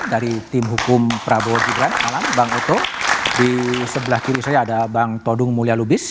dari tim hukum prabowo gibran malam bang eto di sebelah kiri saya ada bang todung mulya lubis